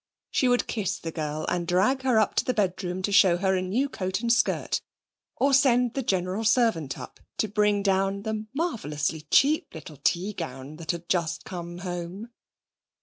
She would kiss the girl and drag her up to her bedroom to show her a new coat and skirt, or send the general servant up to bring down the marvellously cheap little tea gown that had just come home.